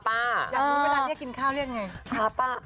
เวลานี้กินข้าวเรียกยังไง